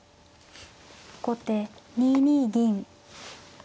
後手２二銀。